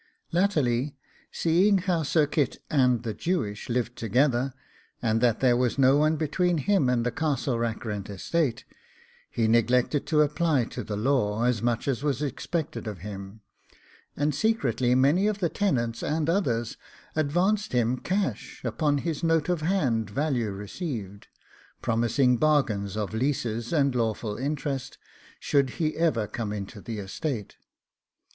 Latterly, seeing how Sir Kit and the Jewish lived together, and that there was no one between him and the Castle Rackrent estate, he neglected to apply to the law as much as was expected of him, and secretly many of the tenants and others advanced him cash upon his note of hand value received, promising bargains of leases and lawful interest, should he ever come into the estate.